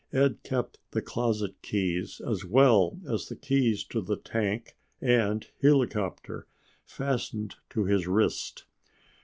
Ed kept the closet keys, as well as the keys to the tank and helicopter, fastened to his wrist.